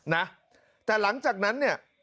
นะแต่หลังจากนั้นเนี่ย